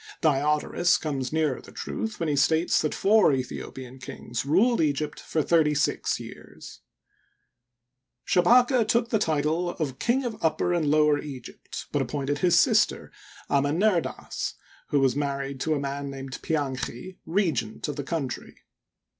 Diodorus comes nearer the truth when he states that four Aethiopian kings ruled Egypt for thirty six years. Shabaka took the title of King of Upper and Lower Egypt, but appointed his sister, Amenerdas, who was married to a man named Pianchi, regent of the country.